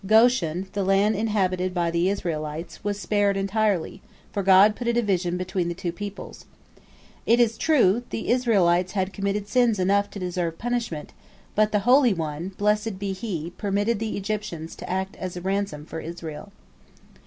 Goshen, the land inhabited by the Israelites, was spared entirely, for God put a division between the two peoples. It is true, the Israelites had committed sins enough to deserve punishment, but the Holy One, blessed be He, permitted the Egyptians to act as a ransom for Israel.